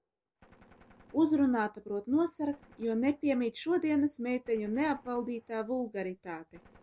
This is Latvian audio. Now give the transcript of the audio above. Uzrunāta prot nosarkt, jo nepiemīt šodienas meiteņu neapvaldītā vulgaritāte.